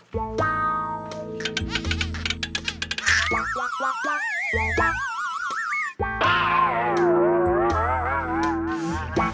ก็จะปล่อยมัน